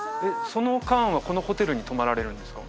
その間はこのホテルに泊まられるんですか？